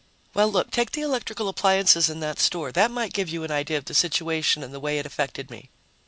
Well, look, take the electrical appliances in that store; that might give you an idea of the situation and the way it affected me.